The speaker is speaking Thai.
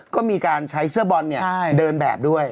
ก็มีการใช้เสื้อบอลเดินแบบด้วย